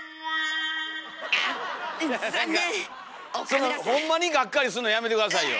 そのホンマにがっかりすんのやめて下さいよ。